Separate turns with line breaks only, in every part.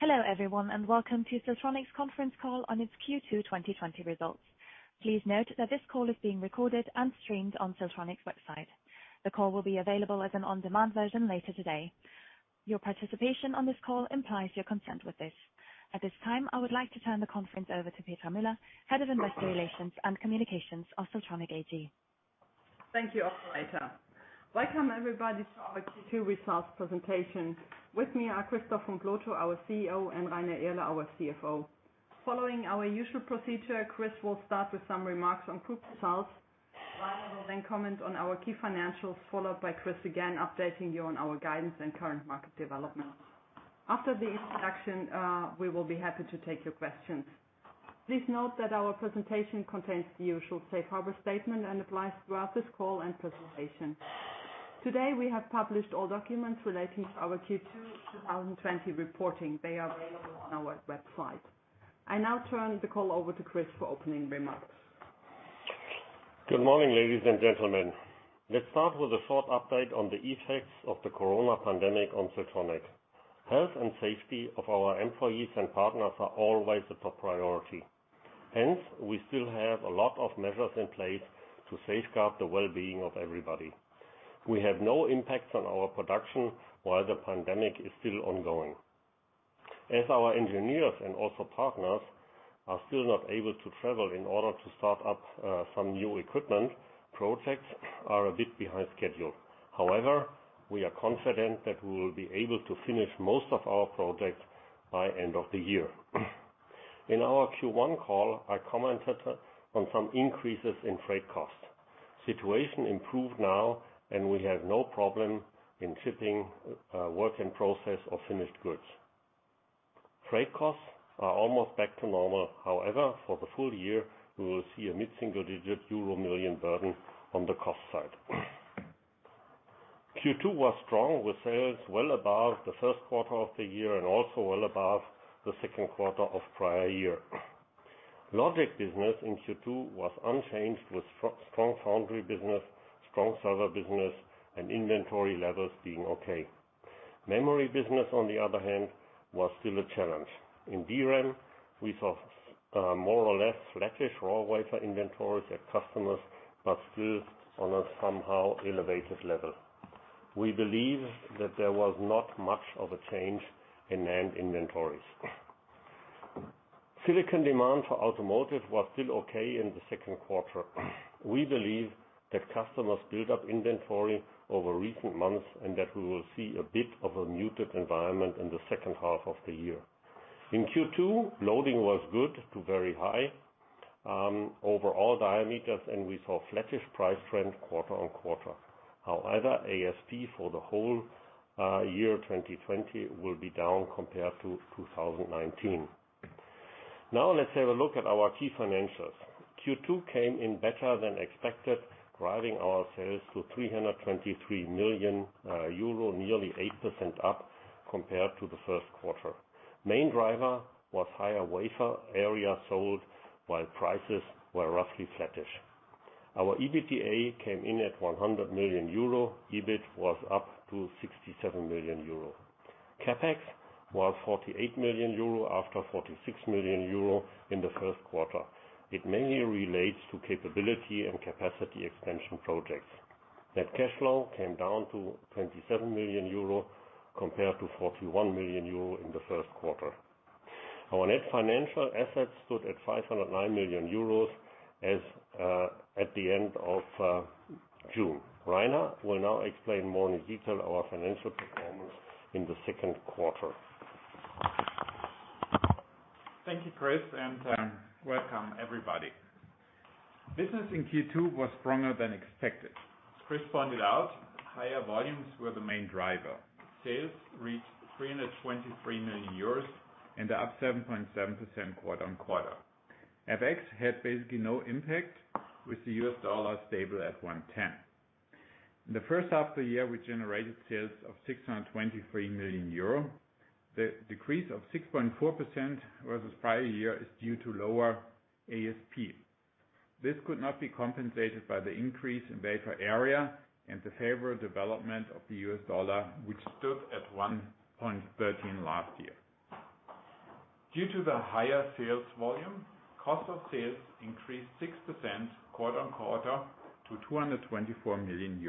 Hello, everyone, and welcome to Siltronic's conference call on its Q2 2020 results. Please note that this call is being recorded and streamed on Siltronic's website. The call will be available as an on-demand version later today. Your participation on this call implies your consent with this. At this time, I would like to turn the conference over to Petra Müller, Head of Investor Relations and Communications of Siltronic AG.
Thank you, Operator. Welcome, everybody, to our Q2 results presentation. With me are Christoph von Plotho, our CEO, and Rainer Irle, our CFO. Following our usual procedure, Chris will start with some remarks on group results. Rainer will then comment on our key financials, followed by Chris again updating you on our guidance and current market developments. After the introduction, we will be happy to take your questions. Please note that our presentation contains the usual safe harbor statement and applies throughout this call and presentation. Today, we have published all documents relating to our Q2 2020 reporting. They are available on our website. I now turn the call over to Chris for opening remarks.
Good morning, ladies and gentlemen. Let's start with a short update on the effects of the corona pandemic on Siltronic. Health and safety of our employees and partners are always a top priority. Hence, we still have a lot of measures in place to safeguard the well-being of everybody. We have no impacts on our production while the pandemic is still ongoing. As our engineers and also partners are still not able to travel in order to start up some new equipment, projects are a bit behind schedule. However, we are confident that we will be able to finish most of our projects by the end of the year. In our Q1 call, I commented on some increases in freight costs. The situation improved now, and we have no problem in shipping work in process or finished goods. Freight costs are almost back to normal. However, for the full year, we will see a mid-single-digit EUR million burden on the cost side. Q2 was strong, with sales well above the first quarter of the year and also well above the second quarter of the prior year. Logic business in Q2 was unchanged, with strong foundry business, strong server business, and inventory levels being okay. Memory business, on the other hand, was still a challenge. In DRAM, we saw more or less flattish raw wafer inventories at customers but still on a somehow elevated level. We believe that there was not much of a change in NAND inventories. Silicon demand for automotive was still okay in the second quarter. We believe that customers built up inventory over recent months and that we will see a bit of a muted environment in the second half of the year. In Q2, loading was good to very high over all diameters, and we saw a flattish price trend quarter-on-quarter. However, ASP for the whole year 2020 will be down compared to 2019. Now, let's have a look at our key financials. Q2 came in better than expected, driving our sales to 323 million euro, nearly 8% up compared to the first quarter. The main driver was higher wafer area sold while prices were roughly flattish. Our EBITDA came in at 100 million euro. EBITDA was up to 67 million euro. CapEx was 48 million euro after 46 million euro in the first quarter. It mainly relates to capability and capacity expansion projects. Net cash flow came down to 27 million euro compared to 41 million euro in the first quarter. Our net financial assets stood at 509 million euros at the end of June. Rainer will now explain more in detail our financial performance in the second quarter.
Thank you, Chris, and welcome, everybody. Business in Q2 was stronger than expected. Chris pointed out higher volumes were the main driver. Sales reached 323 million euros and up 7.7% quarter-on-quarter. FX had basically no impact, with the US dollar stable at 1.10. In the first half of the year, we generated sales of 623 million euro. The decrease of 6.4% versus the prior year is due to lower ASP. This could not be compensated by the increase in wafer area and the favorable development of the US dollar, which stood at 1.13 last year. Due to the higher sales volume, cost of sales increased 6% quarter-on-quarter to EUR 224 million.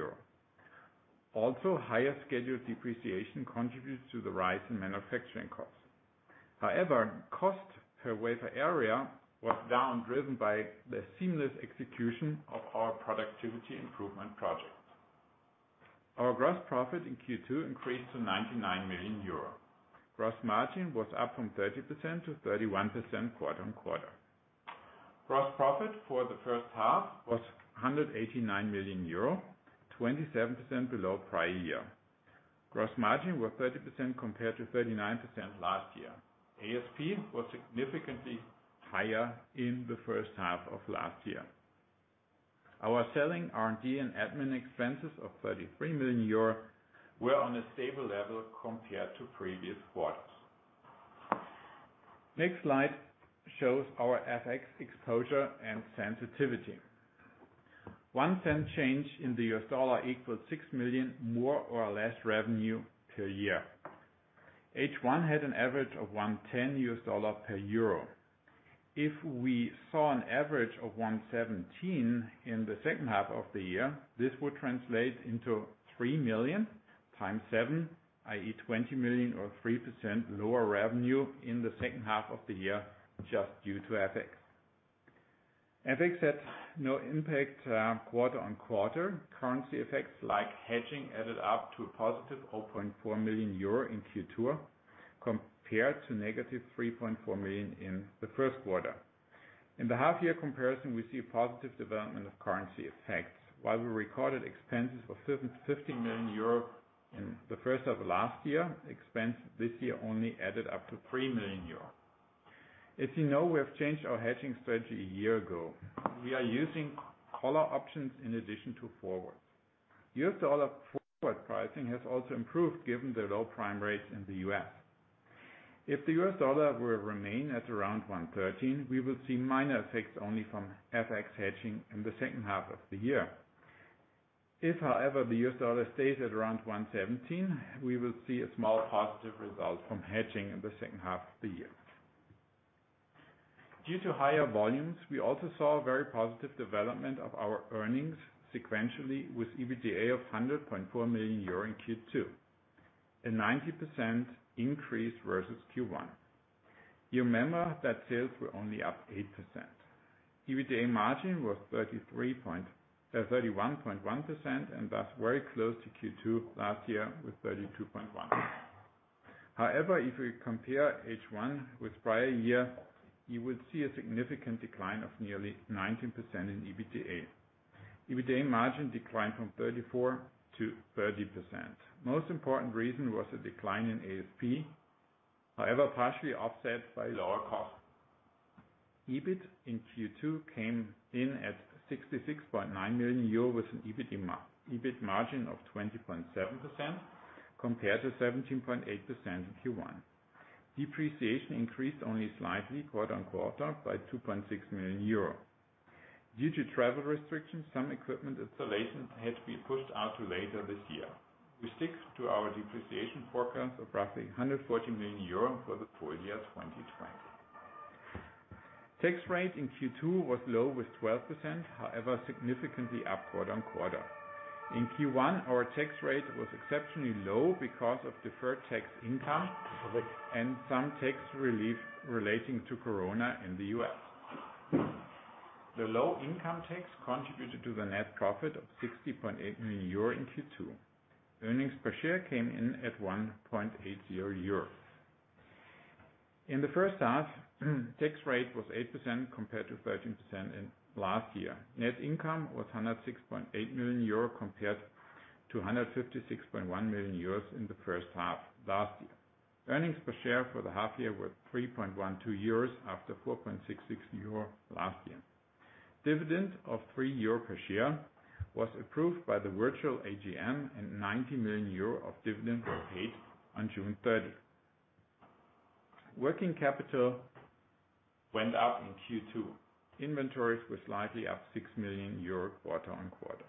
Also, higher scheduled depreciation contributed to the rise in manufacturing costs. However, cost per wafer area was down, driven by the seamless execution of our productivity improvement projects. Our gross profit in Q2 increased to 99 million euro. Gross margin was up from 30% to 31% quarter-on-quarter. Gross profit for the first half was € 189 million, 27% below prior year. Gross margin was 30% compared to 39% last year. ASP was significantly higher in the first half of last year. Our selling, R&D, and admin expenses of € 33 million were on a stable level compared to previous quarters. Next slide shows our FX exposure and sensitivity. One cent change in the US dollar equaled 6 million more or less revenue per year. H1 had an average of 1.10 US dollars per euro. If we saw an average of 1.17 in the second half of the year, this would translate into 3 million times 7, i.e., 20 million or 3% lower revenue in the second half of the year just due to FX. FX had no impact quarter-on-quarter. Currency effects like hedging added up to a positive 0.4 million euro in Q2 compared to negative 3.4 million in the first quarter. In the half-year comparison, we see a positive development of currency effects. While we recorded expenses of 15 million euros in the first half of last year, expenses this year only added up to 3 million euros. As you know, we have changed our hedging strategy a year ago. We are using call options in addition to forwards. US dollar forward pricing has also improved given the low prime rates in the U.S. If the US dollar will remain at around 1.13, we will see minor effects only from FX hedging in the second half of the year. If, however, the US dollar stays at around 1.17, we will see a small positive result from hedging in the second half of the year. Due to higher volumes, we also saw a very positive development of our earnings sequentially with EBITDA of 100.4 million euro in Q2, a 90% increase versus Q1. You remember that sales were only up 8%. EBITDA margin was 31.1% and thus very close to Q2 last year with 32.1%. However, if we compare H1 with prior year, you will see a significant decline of nearly 19% in EBITDA. EBITDA margin declined from 34% to 30%. The most important reason was a decline in ASP, however partially offset by lower costs. EBITDA in Q2 came in at 66.9 million euro with an EBITDA margin of 20.7% compared to 17.8% in Q1. Depreciation increased only slightly quarter-on-quarter by 2.6 million euro. Due to travel restrictions, some equipment installation had to be pushed out to later this year. We stick to our depreciation forecast of roughly 140 million euros for the full year 2020. Tax rate in Q2 was low with 12%, however significantly up quarter-on-quarter. In Q1, our tax rate was exceptionally low because of deferred tax income and some tax relief relating to corona in the U.S. The low income tax contributed to the net profit of 60.8 million euro in Q2. Earnings per share came in at 1.80 euro. In the first half, tax rate was 8% compared to 13% last year. Net income was 106.8 million euro compared to 156.1 million euros in the first half last year. Earnings per share for the half year were 3.12 euros after 4.66 euro last year. Dividend of 3 euro per share was approved by the virtual AGM, and 90 million euro of dividend was paid on June 30. Working capital went up in Q2. Inventories were slightly up 6 million euros quarter-on-quarter.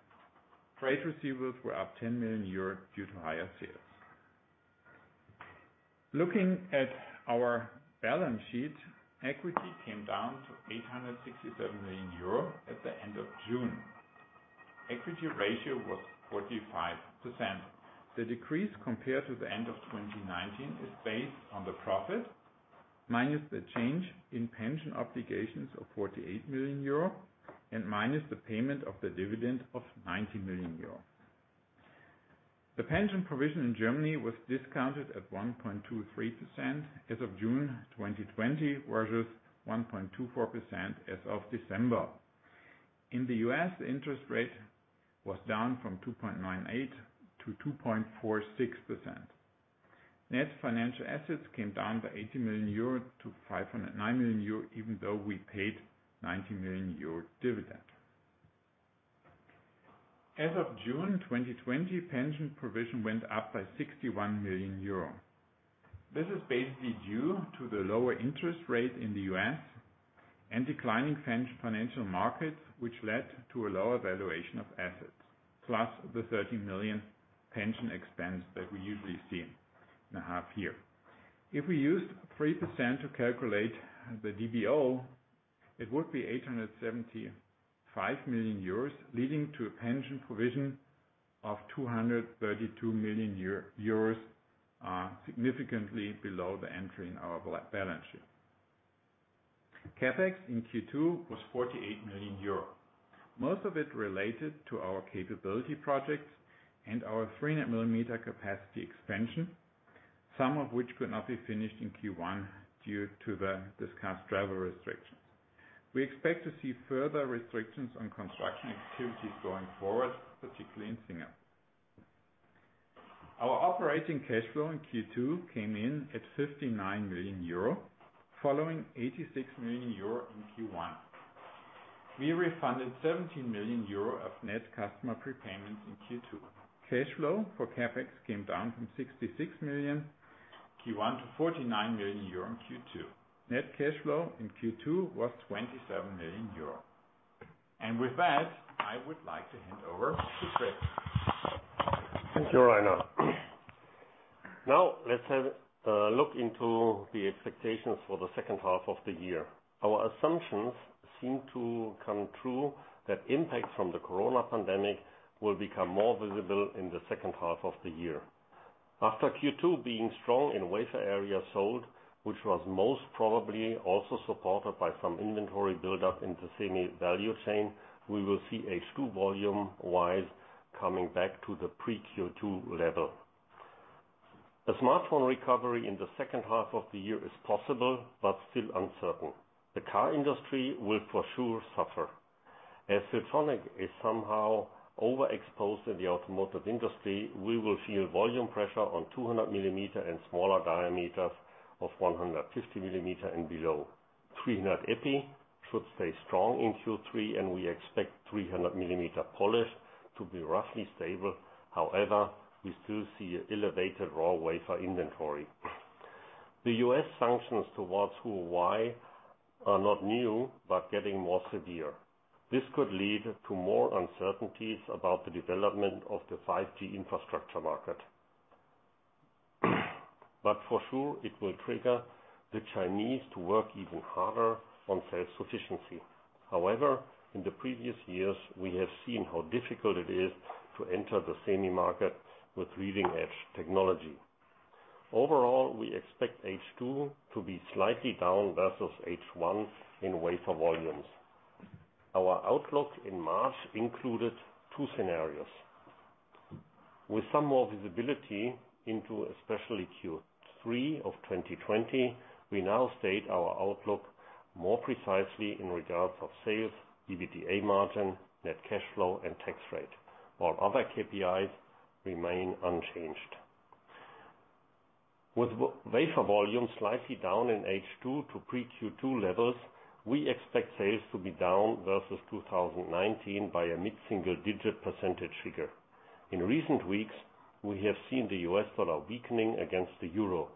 Trade receivables were up 10 million euros due to higher sales. Looking at our balance sheet, equity came down to 867 million euro at the end of June. Equity ratio was 45%. The decrease compared to the end of 2019 is based on the profit minus the change in pension obligations of 48 million euro and minus the payment of the dividend of 90 million euro. The pension provision in Germany was discounted at 1.23% as of June 2020 versus 1.24% as of December. In the U.S., the interest rate was down from 2.98% to 2.46%. Net financial assets came down by 80 million euro to 509 million euro, even though we paid 90 million euro dividend. As of June 2020, pension provision went up by 61 million euro. This is basically due to the lower interest rate in the U.S. and declining financial markets, which led to a lower valuation of assets, plus the 30 million pension expense that we usually see in the half year. If we used 3% to calculate the DBO, it would be 875 million euros, leading to a pension provision of 232 million euros, significantly below the entry in our balance sheet. CapEx in Q2 was 48 million euro. Most of it related to our capability projects and our 300-millimeter capacity expansion, some of which could not be finished in Q1 due to the discussed travel restrictions. We expect to see further restrictions on construction activities going forward, particularly in Singapore. Our operating cash flow in Q2 came in at 59 million euro, following 86 million euro in Q1. We refunded 17 million euro of net customer prepayments in Q2. Cash flow for CapEx came down from 66 million Q1 to 49 million euro Q2. Net cash flow in Q2 was 27 million euro. With that, I would like to hand over to Chris.
Thank you, Rainer. Now, let's have a look into the expectations for the second half of the year. Our assumptions seem to come true that impacts from the corona pandemic will become more visible in the second half of the year. After Q2 being strong in wafer area sold, which was most probably also supported by some inventory buildup in the semi-value chain, we will see H2 volume-wise coming back to the pre-Q2 level. A smartphone recovery in the second half of the year is possible but still uncertain. The car industry will for sure suffer. As Siltronic is somehow overexposed in the automotive industry, we will feel volume pressure on 200 mm and smaller diameters of 150 mm and below. 300 EPI should stay strong in Q3, and we expect 300 mm polished to be roughly stable. However, we still see elevated raw wafer inventory. The U.S. sanctions towards Huawei are not new but getting more severe. This could lead to more uncertainties about the development of the 5G infrastructure market. But for sure, it will trigger the Chinese to work even harder on self-sufficiency. However, in the previous years, we have seen how difficult it is to enter the semi-market with leading-edge technology. Overall, we expect H2 to be slightly down versus H1 in wafer volumes. Our outlook in March included two scenarios. With some more visibility into especially Q3 of 2020, we now state our outlook more precisely in regards of sales, EBITDA margin, net cash flow, and tax rate, while other KPIs remain unchanged. With wafer volume slightly down in H2 to pre-Q2 levels, we expect sales to be down versus 2019 by a mid-single-digit percentage figure. In recent weeks, we have seen the US dollar weakening against the euro.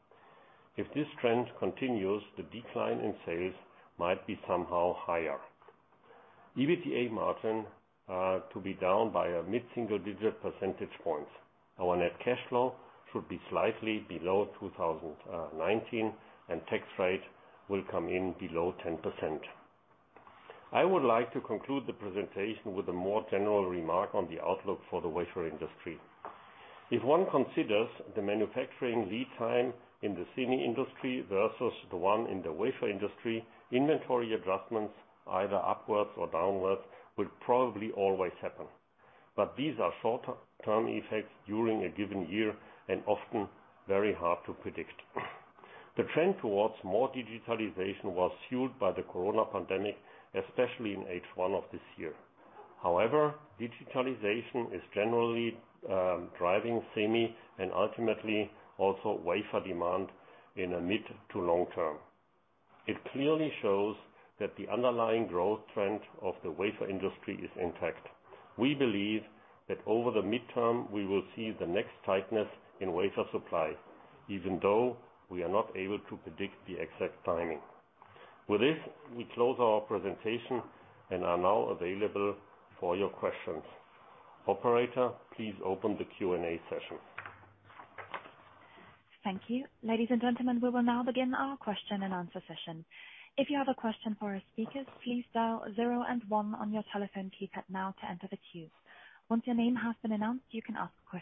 If this trend continues, the decline in sales might be somehow higher. EBITDA margin to be down by a mid-single-digit percentage point. Our net cash flow should be slightly below 2019, and tax rate will come in below 10%. I would like to conclude the presentation with a more general remark on the outlook for the wafer industry. If one considers the manufacturing lead time in the semi-industry versus the one in the wafer industry, inventory adjustments, either upwards or downwards, will probably always happen. But these are short-term effects during a given year and often very hard to predict. The trend towards more digitalization was fueled by the corona pandemic, especially in H1 of this year. However, digitalization is generally driving semi and ultimately also wafer demand in a mid to long term. It clearly shows that the underlying growth trend of the wafer industry is intact. We believe that over the midterm, we will see the next tightness in wafer supply, even though we are not able to predict the exact timing. With this, we close our presentation and are now available for your questions. Operator, please open the Q&A session.
Thank you. Ladies and gentlemen, we will now begin our question and answer session. If you have a question for our speakers, please dial zero and one on your telephone keypad now to enter the queue. Once your name has been announced, you can ask a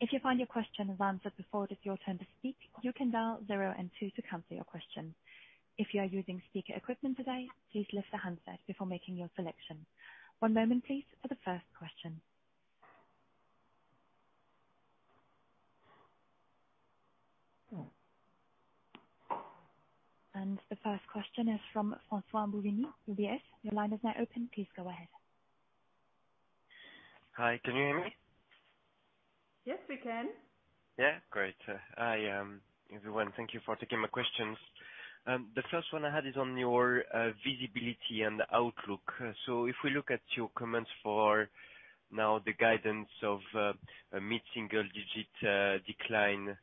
question. If you find your question is answered before it is your turn to speak, you can dial zero and two to cancel your question. If you are using speaker equipment today, please lift the handset before making your selection. One moment, please, for the first question. And the first question is from François-Xavier Bouvignies. Yes, your line is now open. Please go ahead.
Hi, can you hear me?
Yes, we can.
Yeah, great. Everyone, thank you for taking my questions. The first one I had is on your visibility and outlook. So if we look at your comments for now, the guidance of a mid-single-digit decline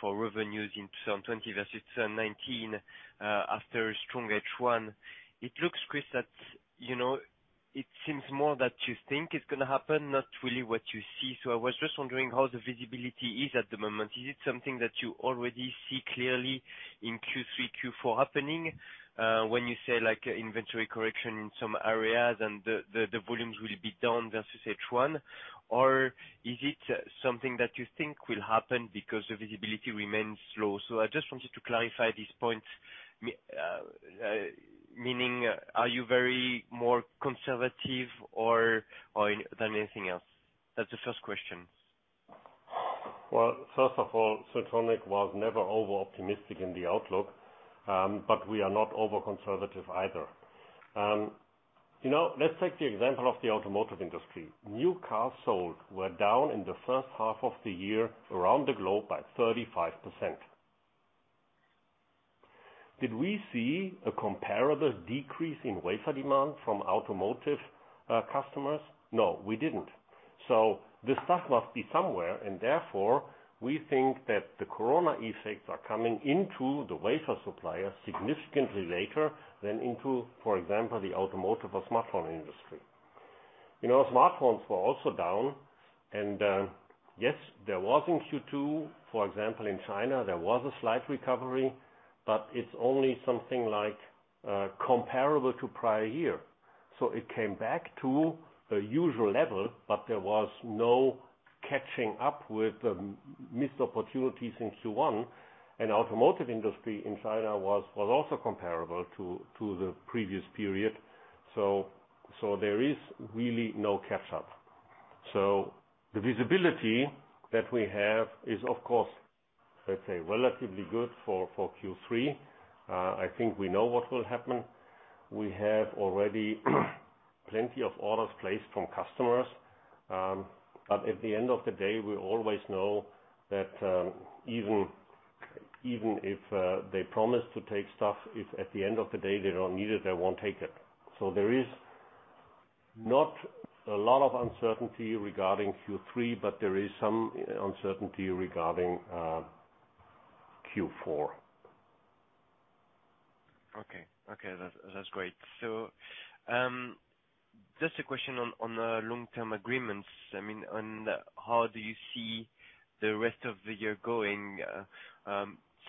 for revenues in 2020 versus 2019 after a strong H1, it looks, Chris, that it seems more that you think it's going to happen, not really what you see. So I was just wondering how the visibility is at the moment. Is it something that you already see clearly in Q3, Q4 happening when you say inventory correction in some areas and the volumes will be down versus H1? Or is it something that you think will happen because the visibility remains low? So I just wanted to clarify this point, meaning are you very more conservative than anything else? That's the first question.
First of all, Siltronic was never over-optimistic in the outlook, but we are not over-conservative either. Let's take the example of the automotive industry. New cars sold were down in the first half of the year around the globe by 35%. Did we see a comparable decrease in wafer demand from automotive customers? No, we didn't. The stuff must be somewhere, and therefore we think that the corona effects are coming into the wafer supplier significantly later than into, for example, the automotive or smartphone industry. Smartphones were also down, and yes, there was in Q2, for example, in China, there was a slight recovery, but it's only something comparable to prior year. So it came back to a usual level, but there was no catching up with the missed opportunities in Q1. Automotive industry in China was also comparable to the previous period. So there is really no catch-up. So the visibility that we have is, of course, let's say, relatively good for Q3. I think we know what will happen. We have already plenty of orders placed from customers. But at the end of the day, we always know that even if they promise to take stuff, if at the end of the day they don't need it, they won't take it. So there is not a lot of uncertainty regarding Q3, but there is some uncertainty regarding Q4.
Okay. Okay. That's great. So just a question on long-term agreements. I mean, how do you see the rest of the year going?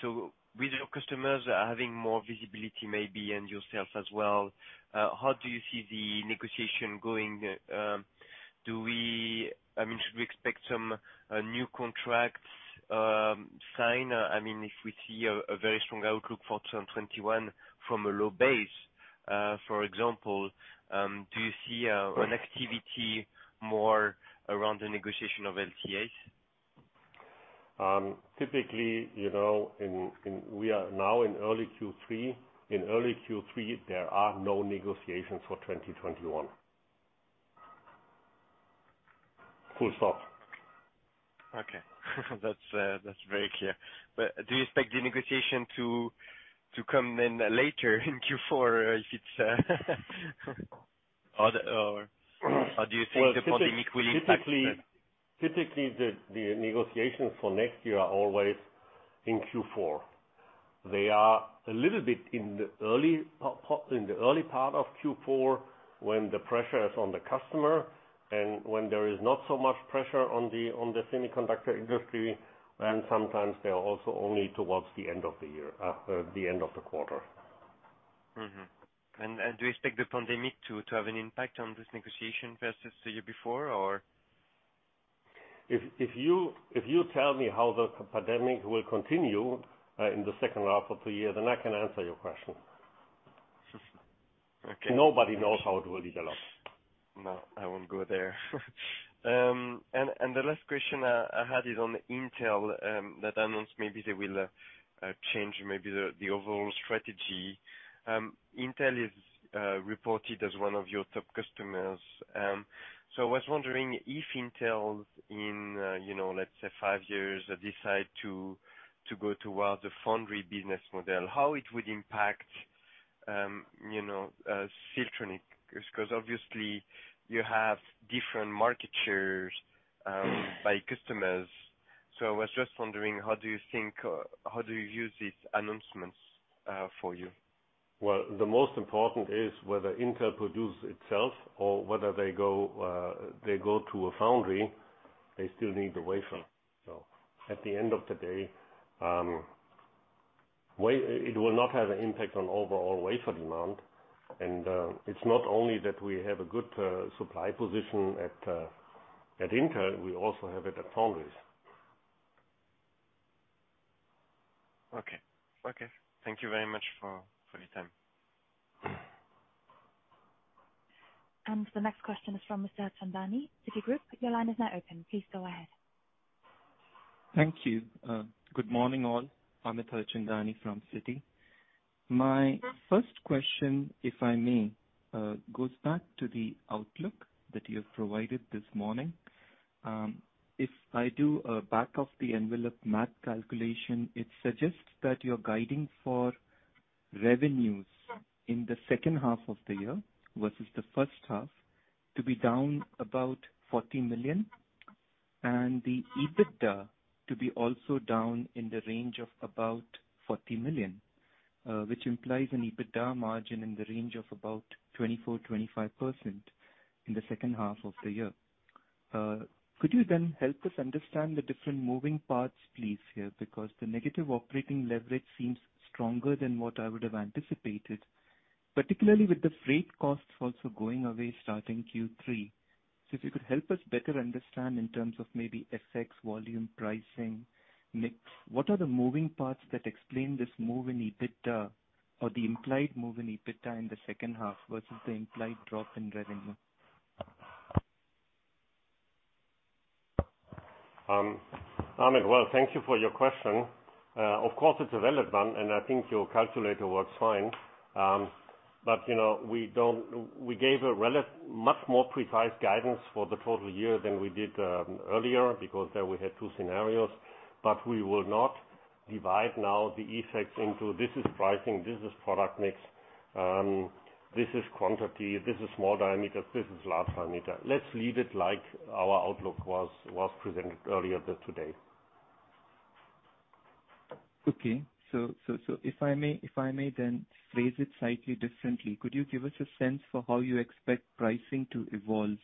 So with your customers having more visibility maybe and yourself as well, how do you see the negotiation going? I mean, should we expect some new contracts signed? I mean, if we see a very strong outlook for 2021 from a low base, for example, do you see an activity more around the negotiation of LTAs?
Typically, we are now in early Q3. In early Q3, there are no negotiations for 2021. Full stop.
Okay. That's very clear. But do you expect the negotiation to come in later in Q4 if it's? Or do you think the pandemic will impact?
Typically, the negotiations for next year are always in Q4. They are a little bit in the early part of Q4 when the pressure is on the customer, and when there is not so much pressure on the semiconductor industry, and sometimes they are also only towards the end of the year, the end of the quarter.
Do you expect the pandemic to have an impact on this negotiation versus the year before, or?
If you tell me how the pandemic will continue in the second half of the year, then I can answer your question. Nobody knows how it will develop.
No, I won't go there, and the last question I had is on Intel that announced maybe they will change the overall strategy. Intel is reported as one of your top customers. So I was wondering if Intel, in, let's say, five years, decides to go towards a foundry business model, how it would impact Siltronic? Because obviously, you have different market shares by customers. So I was just wondering, how do you think, how do you use these announcements for you?
The most important is whether Intel produces itself or whether they go to a foundry. They still need the wafer. At the end of the day, it will not have an impact on overall wafer demand. It's not only that we have a good supply position at Intel, we also have it at foundries.
Okay. Okay. Thank you very much for your time.
The next question is from Mr. Harchandani. Citigroup, your line is now open. Please go ahead.
Thank you. Good morning, all. I'm Mr. Harchandani from Citigroup. My first question, if I may, goes back to the outlook that you have provided this morning. If I do a back-of-the-envelope math calculation, it suggests that your guidance for revenues in the second half of the year versus the first half to be down about 40 million, and the EBITDA to be also down in the range of about 40 million, which implies an EBITDA margin in the range of about 24%-25% in the second half of the year. Could you then help us understand the different moving parts, please, here? Because the negative operating leverage seems stronger than what I would have anticipated, particularly with the freight costs also going away starting Q3. So if you could help us better understand in terms of maybe FX volume pricing, what are the moving parts that explain this move in EBITDA or the implied move in EBITDA in the second half versus the implied drop in revenue?
Amit, well, thank you for your question. Of course, it's relevant, and I think your calculator works fine. But we gave a much more precise guidance for the total year than we did earlier because there we had two scenarios. But we will not divide now the effects into this is pricing, this is product mix, this is quantity, this is small diameters, this is large diameter. Let's leave it like our outlook was presented earlier today.
Okay. So if I may then phrase it slightly differently, could you give us a sense for how you expect pricing to evolve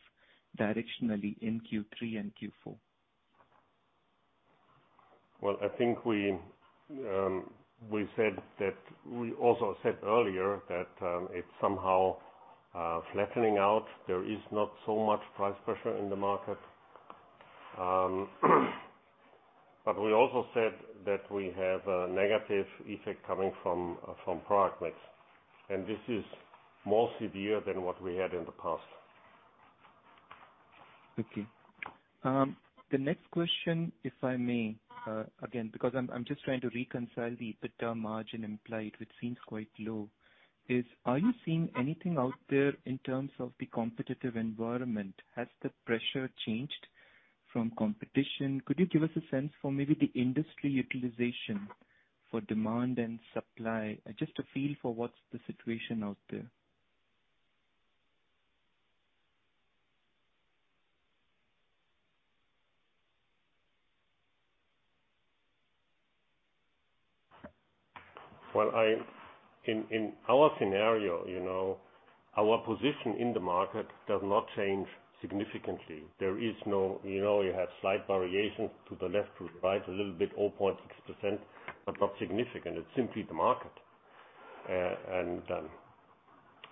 directionally in Q3 and Q4?
Well, I think we said that we also said earlier that it's somehow flattening out. There is not so much price pressure in the market. But we also said that we have a negative effect coming from product mix. And this is more severe than what we had in the past.
Okay. The next question, if I may, again, because I'm just trying to reconcile the EBITDA margin implied, which seems quite low, is are you seeing anything out there in terms of the competitive environment? Has the pressure changed from competition? Could you give us a sense for maybe the industry utilization for demand and supply? Just a feel for what's the situation out there.
In our scenario, our position in the market does not change significantly. There is no. You have slight variations to the left, to the right, a little bit 0.6%, but not significant. It's simply the market.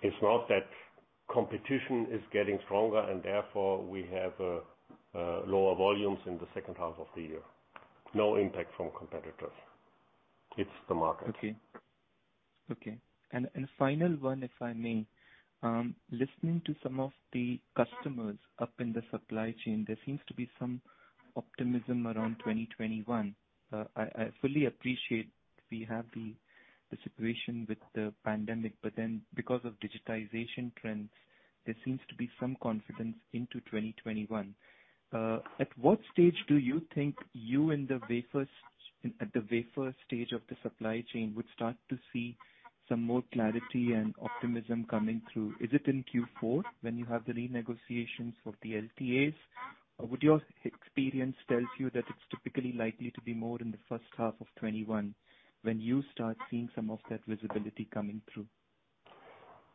It's not that competition is getting stronger, and therefore we have lower volumes in the second half of the year. No impact from competitors. It's the market.
And final one, if I may, listening to some of the customers up in the supply chain, there seems to be some optimism around 2021. I fully appreciate we have the situation with the pandemic, but then because of digitization trends, there seems to be some confidence into 2021. At what stage do you think you, in the wafer stage of the supply chain, would start to see some more clarity and optimism coming through? Is it in Q4 when you have the renegotiations for the LTAs? Or what your experience tells you that it's typically likely to be more in the first half of 2021 when you start seeing some of that visibility coming through?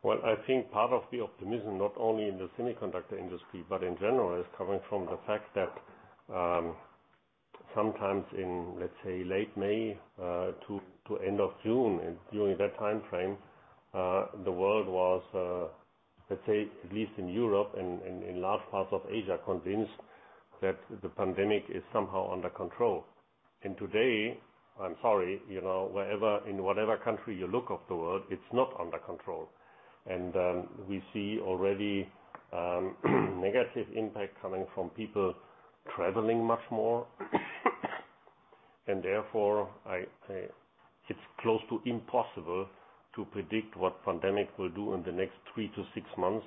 I think part of the optimism, not only in the semiconductor industry, but in general, is coming from the fact that sometimes in, let's say, late May to end of June, and during that time frame, the world was, let's say, at least in Europe and in large parts of Asia, convinced that the pandemic is somehow under control. Today, I'm sorry, in whatever country you look at in the world, it's not under control. We see already negative impact coming from people traveling much more. Therefore, it's close to impossible to predict what the pandemic will do in the next three to six months.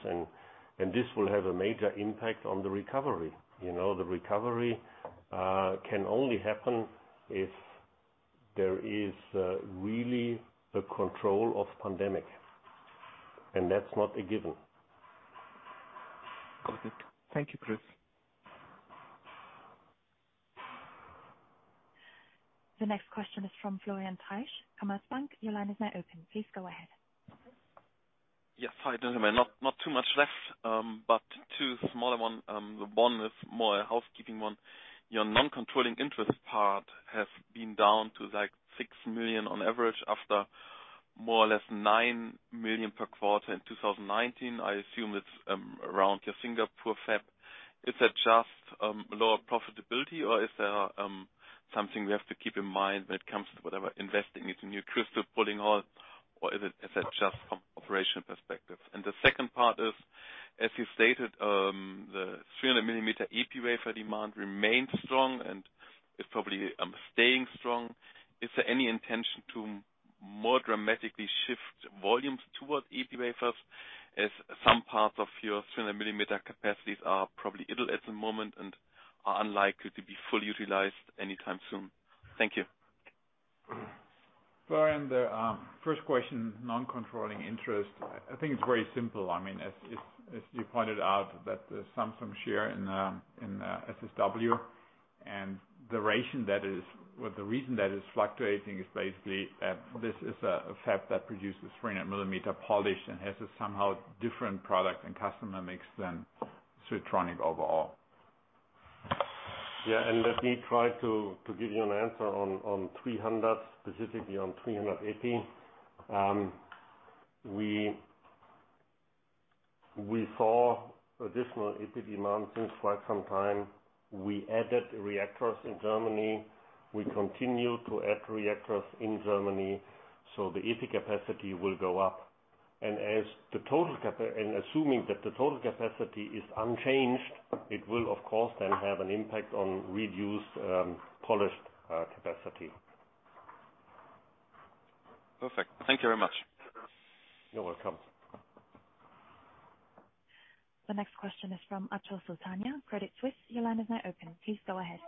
This will have a major impact on the recovery. The recovery can only happen if there is really a control of pandemic. That's not a given.
Thank you, Chris.
The next question is from Florian Treisch, Commerzbank. Your line is now open. Please go ahead.
Yes. Hi, gentlemen. Not too much left, but two smaller ones. One is more a housekeeping one. Your non-controlling interest part has been down to like six million on average after more or less nine million per quarter in 2019. I assume it's around your Singapore fab. Is that just lower profitability, or is there something we have to keep in mind when it comes to whatever investing into new crystal pulling hall, or is it just from operational perspective? And the second part is, as you stated, the 300 mm EP wafer demand remains strong, and it's probably staying strong. Is there any intention to more dramatically shift volumes towards EP wafers, as some parts of your 300 mm capacities are probably idle at the moment and are unlikely to be fully utilized anytime soon? Thank you.
Florian, the first question, non-controlling interest, I think it's very simple. I mean, as you pointed out, that the Samsung share in SSW, and the reason that is fluctuating is basically that this is a fab that produces 300 mm polished and has a somehow different product and customer mix than Siltronic overall.
Yeah. And let me try to give you an answer on 300, specifically on 300 EP. We saw additional EP demand since quite some time. We added reactors in Germany. We continue to add reactors in Germany. So the EP capacity will go up. And assuming that the total capacity is unchanged, it will, of course, then have an impact on reduced polished capacity.
Perfect. Thank you very much.
You're welcome.
The next question is from Achal Sultania, Credit Suisse. Your line is now open. Please go ahead.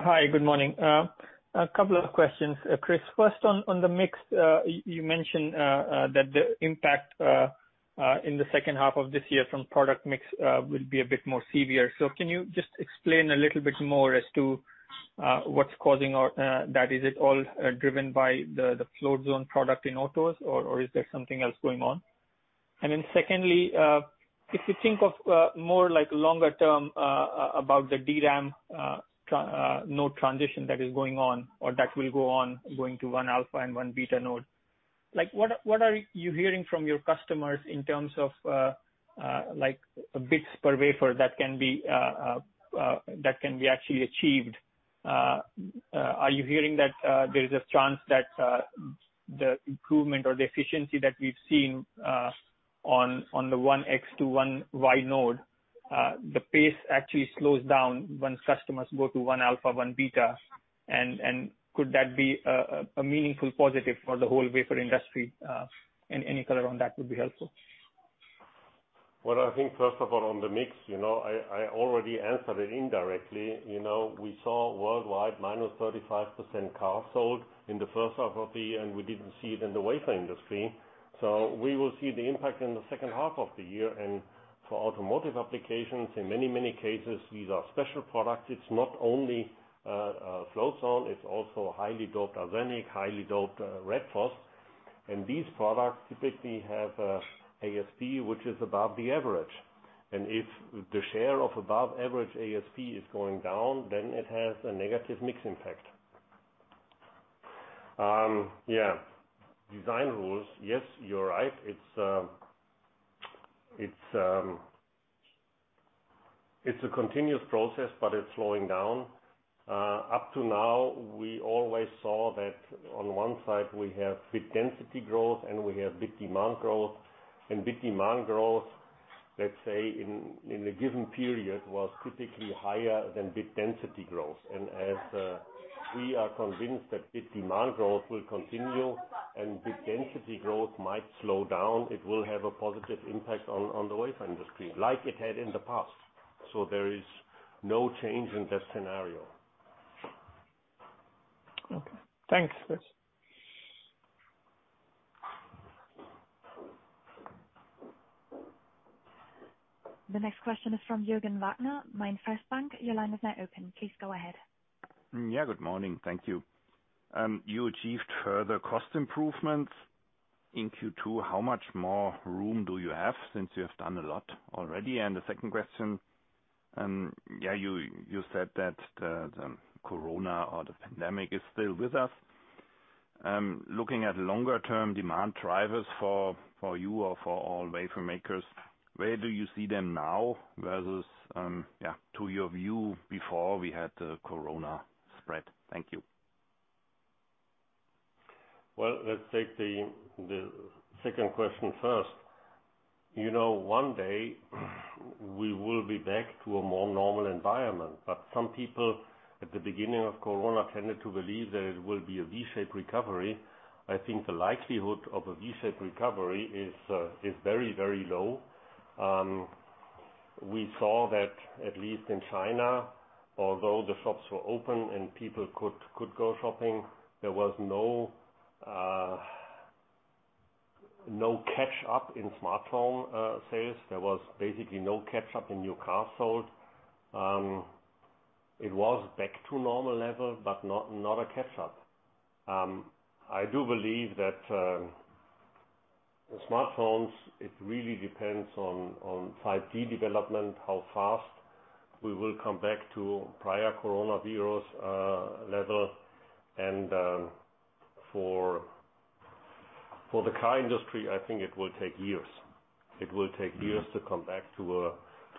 Hi, good morning. A couple of questions, Chris. First, on the mix, you mentioned that the impact in the second half of this year from product mix will be a bit more severe. So can you just explain a little bit more as to what's causing that? Is it all driven by the float zone product in autos, or is there something else going on? And then secondly, if you think of more like longer term about the DRAM node transition that is going on or that will go on going to one alpha and one beta node, what are you hearing from your customers in terms of bits per wafer that can be actually achieved? Are you hearing that there is a chance that the improvement or the efficiency that we've seen on the 1X to 1Y node, the pace actually slows down once customers go to 1 alpha, 1 beta? And could that be a meaningful positive for the whole wafer industry? Any color on that would be helpful.
I think, first of all, on the mix, I already answered it indirectly. We saw worldwide minus 35% cars sold in the first half of the year, and we didn't see it in the wafer industry. We will see the impact in the second half of the year. For automotive applications, in many, many cases, these are special products. It's not only float zone, it's also highly doped arsenic, highly doped red phosphorus. These products typically have ASP, which is above the average. If the share of above-average ASP is going down, then it has a negative mix impact. Yeah. Design rules, yes, you're right. It's a continuous process, but it's slowing down. Up to now, we always saw that on one side, we have bit density growth, and we have bit demand growth. Bit demand growth, let's say, in a given period was typically higher than bit density growth. And as we are convinced that bit demand growth will continue and bit density growth might slow down, it will have a positive impact on the wafer industry like it had in the past. There is no change in that scenario.
Okay. Thanks, Chris.
The next question is from Jürgen Wagner, MainFirst Bank. Your line is now open. Please go ahead.
Yeah, good morning. Thank you. You achieved further cost improvements in Q2. How much more room do you have since you have done a lot already? And the second question, yeah, you said that the corona or the pandemic is still with us. Looking at longer-term demand drivers for you or for all wafer makers, where do you see them now versus, yeah, to your view before we had the corona spread? Thank you.
Let's take the second question first. One day, we will be back to a more normal environment. But some people at the beginning of corona tended to believe that it will be a V-shaped recovery. I think the likelihood of a V-shaped recovery is very, very low. We saw that at least in China, although the shops were open and people could go shopping, there was no catch-up in smartphone sales. There was basically no catch-up in new cars sold. It was back to normal level, but not a catch-up. I do believe that the smartphones, it really depends on 5G development, how fast we will come back to prior coronavirus level. And for the car industry, I think it will take years. It will take years to come back to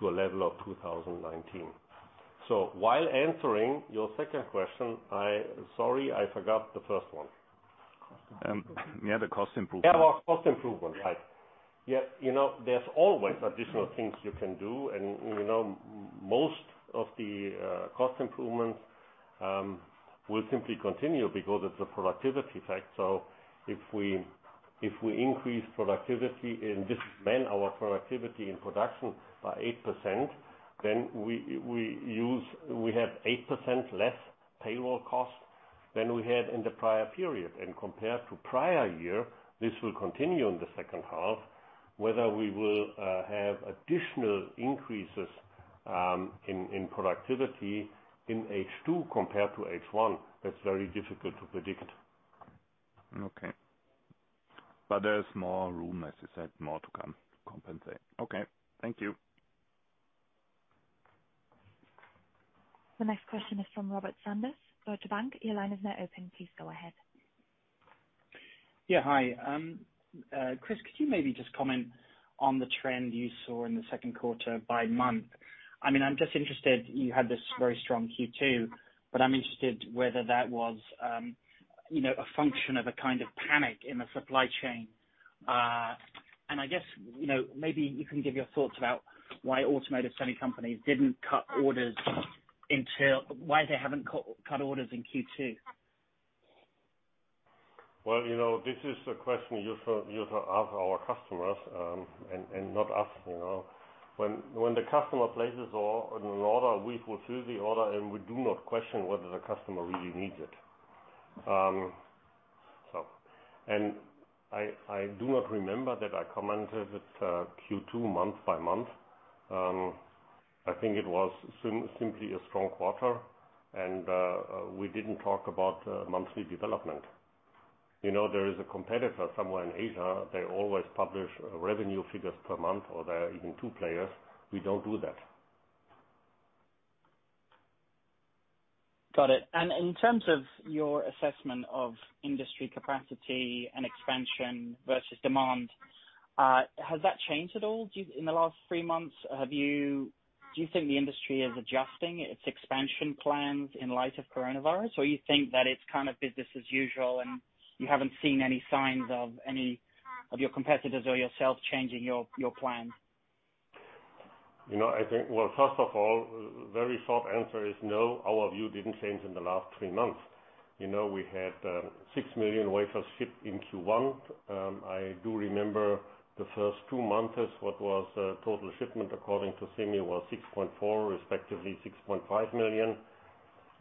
a level of 2019. So while answering your second question, sorry, I forgot the first one.
Yeah, the cost improvement.
Yeah, well, cost improvement, right. Yeah. There's always additional things you can do. And most of the cost improvements will simply continue because it's a productivity factor. So if we increase productivity, and this will mean our productivity in production by 8%, then we have 8% less payroll cost than we had in the prior period. And compared to prior year, this will continue in the second half. Whether we will have additional increases in productivity in H2 compared to H1, that's very difficult to predict.
Okay. But there's more room, as you said, more to compensate. Okay. Thank you.
The next question is from Robert Sanders, Deutsche Bank. Your line is now open. Please go ahead.
Yeah. Hi. Chris, could you maybe just comment on the trend you saw in the second quarter by month? I mean, I'm just interested you had this very strong Q2, but I'm interested whether that was a function of a kind of panic in the supply chain. And I guess maybe you can give your thoughts about why automotive semi companies didn't cut orders into why they haven't cut orders in Q2.
This is a question you have to ask our customers and not us. When the customer places an order, we fulfill the order, and we do not question whether the customer really needs it. I do not remember that I commented Q2 month by month. I think it was simply a strong quarter, and we didn't talk about monthly development. There is a competitor somewhere in Asia. They always publish revenue figures per month, or there are even two players. We don't do that.
Got it. And in terms of your assessment of industry capacity and expansion versus demand, has that changed at all in the last three months? Do you think the industry is adjusting its expansion plans in light of coronavirus, or you think that it's kind of business as usual, and you haven't seen any signs of any of your competitors or yourself changing your plans?
I think, well, first of all, very short answer is no. Our view didn't change in the last three months. We had 6 million wafers shipped in Q1. I do remember the first two months, what was total shipment according to SEMI was 6.4 million, respectively 6.5 million.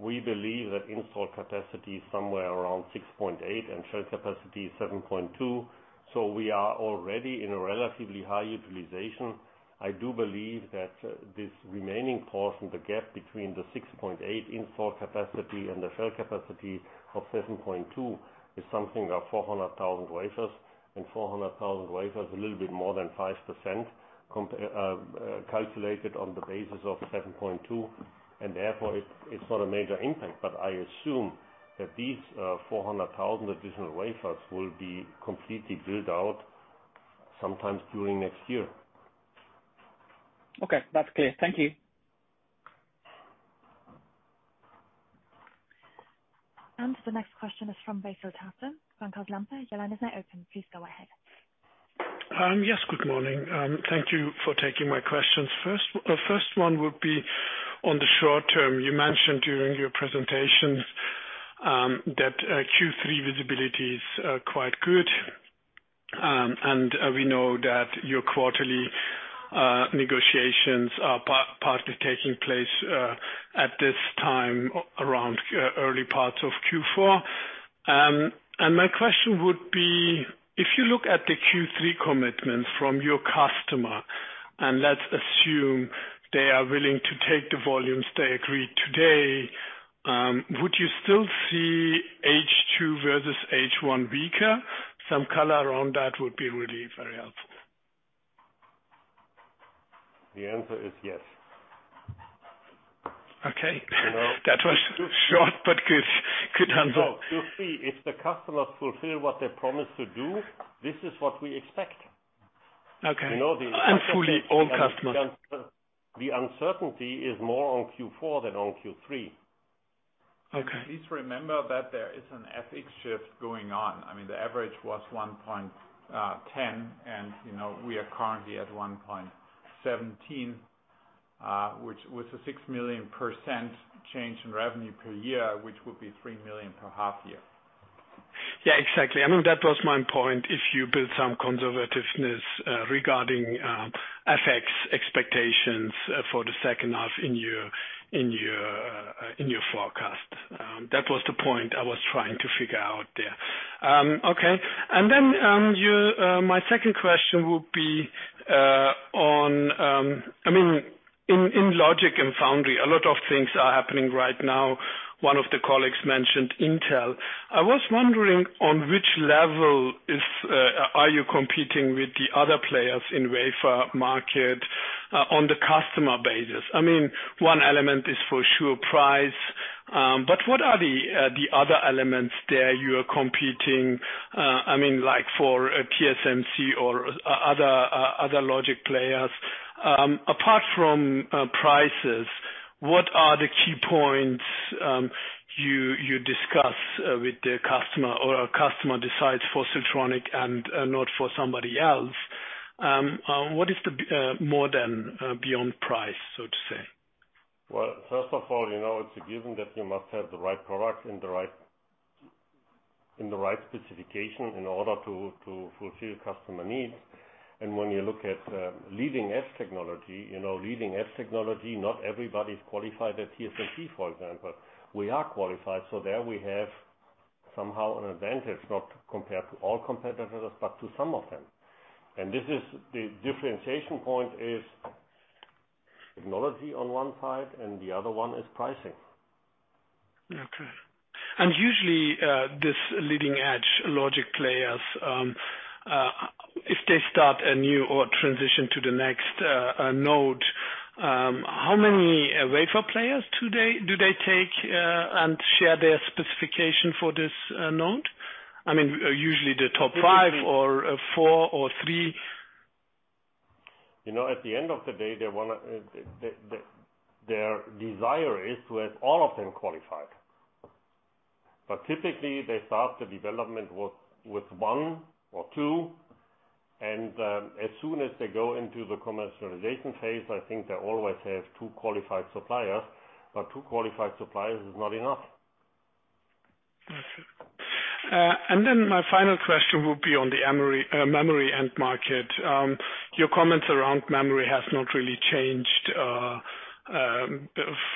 We believe that installed capacity is somewhere around 6.8 million, and shell capacity is 7.2 million. So we are already in a relatively high utilization. I do believe that this remaining portion, the gap between the 6.8 installed capacity and the shell capacity of 7.2 is something of 400,000 wafers, and 400,000 wafers is a little bit more than 5% calculated on the basis of 7.2. And therefore, it's not a major impact, but I assume that these 400,000 additional wafers will be completely built out sometime during next year.
Okay. That's clear. Thank you.
The next question is from Veysel Taze, Bankhaus Lampe. Your line is now open. Please go ahead.
Yes. Good morning. Thank you for taking my questions. First one would be on the short term. You mentioned during your presentation that Q3 visibility is quite good, and we know that your quarterly negotiations are partly taking place at this time around early parts of Q4. And my question would be, if you look at the Q3 commitments from your customer, and let's assume they are willing to take the volumes they agreed today, would you still see H2 versus H1 weaker? Some color around that would be really very helpful.
The answer is yes.
Okay. That was short, but good answer.
So you see, if the customers fulfill what they promised to do, this is what we expect.
Okay. I'm fully on customers.
The uncertainty is more on Q4 than on Q3.
Please remember that there is an FX shift going on. I mean, the average was 1.10, and we are currently at 1.17, which was a 6% change in revenue per year, which would be 3% per half year.
Yeah, exactly. I mean, that was my point. If you build some conservativeness regarding FX expectations for the second half in your forecast, that was the point I was trying to figure out there. Okay. And then my second question would be on, I mean, in logic and foundry, a lot of things are happening right now. One of the colleagues mentioned Intel. I was wondering on which level are you competing with the other players in wafer market on the customer basis? I mean, one element is for sure price, but what are the other elements there you are competing? I mean, like for TSMC or other logic players. Apart from prices, what are the key points you discuss with the customer or a customer decides for Siltronic and not for somebody else? What is the more than beyond price, so to say?
Well, first of all, it's a given that you must have the right product in the right specification in order to fulfill customer needs. And when you look at leading-edge technology, leading-edge technology, not everybody is qualified at TSMC, for example. We are qualified. So there we have somehow an advantage, not compared to all competitors, but to some of them. And the differentiation point is technology on one side, and the other one is pricing.
Okay. And usually, these leading-edge logic players, if they start a new or transition to the next node, how many wafer players do they take and share their specification for this node? I mean, usually the top five or four or three.
At the end of the day, their desire is to have all of them qualified. But typically, they start the development with one or two. And as soon as they go into the commercialization phase, I think they always have two qualified suppliers. But two qualified suppliers is not enough.
Okay. And then my final question would be on the memory end market. Your comments around memory have not really changed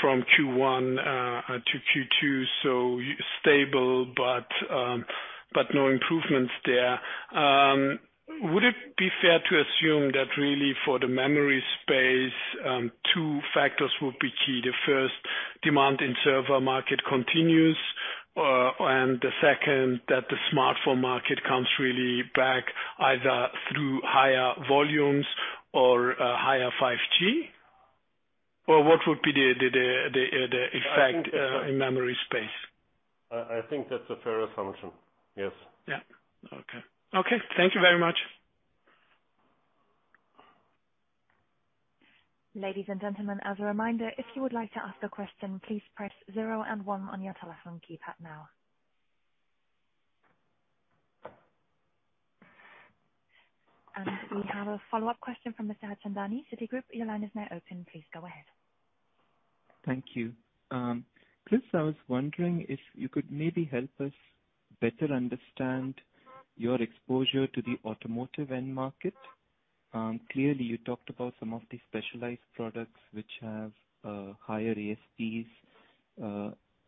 from Q1 to Q2, so stable, but no improvements there. Would it be fair to assume that really for the memory space, two factors would be key? The first, demand in server market continues, and the second, that the smartphone market comes really back either through higher volumes or higher 5G? Or what would be the effect in memory space?
I think that's a fair assumption. Yes.
Yeah. Okay. Okay. Thank you very much.
Ladies and gentlemen, as a reminder, if you would like to ask a question, please press zero and one on your telephone keypad now. And we have a follow-up question from Mr. Harchandani. Citigroup, your line is now open. Please go ahead.
Thank you. Chris, I was wondering if you could maybe help us better understand your exposure to the automotive end market. Clearly, you talked about some of the specialized products which have higher ASPs.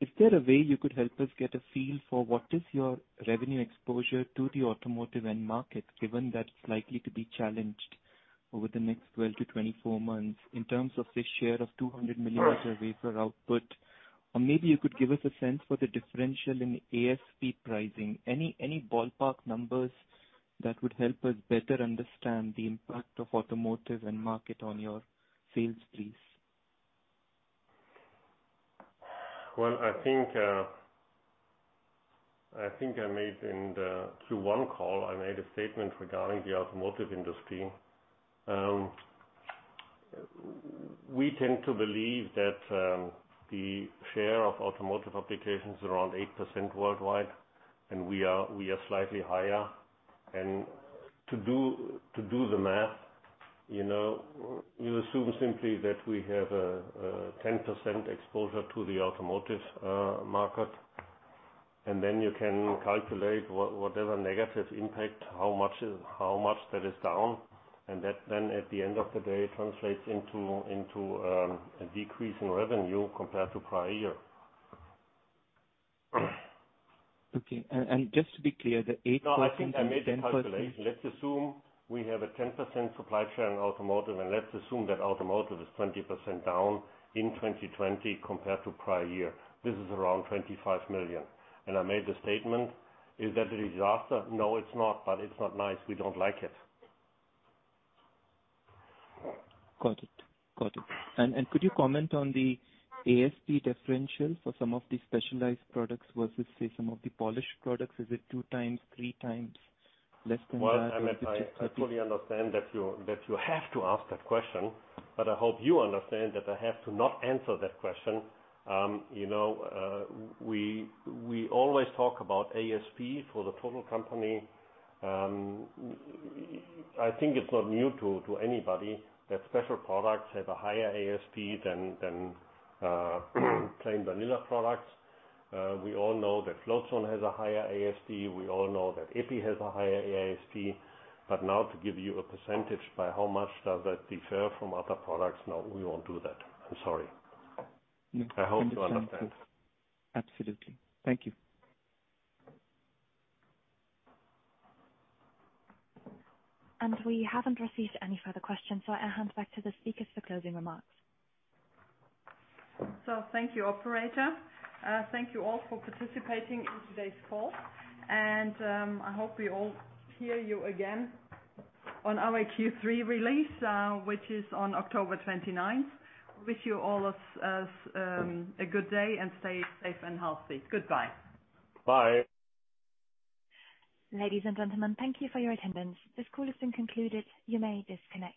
Is there a way you could help us get a feel for what is your revenue exposure to the automotive end market, given that it's likely to be challenged over the next 12-24 months in terms of the share of 200 mm wafer output? Or maybe you could give us a sense for the differential in ASP pricing, any ballpark numbers that would help us better understand the impact of automotive end market on your sales please?
I think I made in the Q1 call, I made a statement regarding the automotive industry. We tend to believe that the share of automotive applications is around 8% worldwide, and we are slightly higher. To do the math, you assume simply that we have a 10% exposure to the automotive market, and then you can calculate whatever negative impact, how much that is down, and that then at the end of the day translates into a decrease in revenue compared to prior year.
Okay, and just to be clear, the 8%.
No, I think I made the calculation. Let's assume we have a 10% supply chain automotive, and let's assume that automotive is 20% down in 2020 compared to prior year. This is around 25 million. And I made the statement. Is that a disaster? No, it's not, but it's not nice. We don't like it.
Got it. Got it. And could you comment on the ASP differential for some of the specialized products versus, say, some of the polished products? Is it two times, three times less than that?
I fully understand that you have to ask that question, but I hope you understand that I have to not answer that question. We always talk about ASP for the total company. I think it's not new to anybody that special products have a higher ASP than plain vanilla products. We all know that float zone has a higher ASP. We all know that EPI has a higher ASP. But now to give you a percentage by how much does that differ from other products, no, we won't do that. I'm sorry. I hope you understand.
Absolutely. Thank you.
We haven't received any further questions, so I'll hand back to the speakers for closing remarks.
So thank you, operator. Thank you all for participating in today's call. And I hope we all hear you again on our Q3 release, which is on October 29th. Wish you all a good day and stay safe and healthy. Goodbye.
Bye.
Ladies and gentlemen, thank you for your attendance. This call has been concluded. You may disconnect.